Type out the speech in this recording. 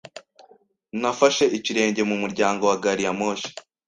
Nafashe ikirenge mu muryango wa gari ya moshi.